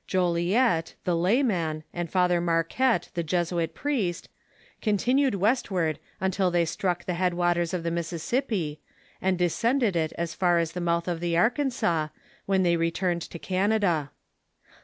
Joliet, the layman, and Father Marquette, the Jes THE FKENCU COLONIZATIOX 439 uit priest, continued ■westward until tlioy struck the head waters of the Mississippi, and descended it as far as the mouth of the Arkansas, when they returned to Canada.